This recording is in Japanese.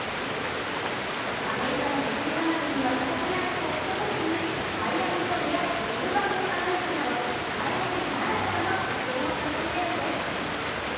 アメリカの野球観戦には欠かせないホットドッグにマイアミロールやキューバ風サンドイッチなどマイアミならではの食事も楽しめるんです。